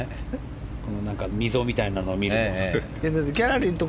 溝みたいなのを見ると。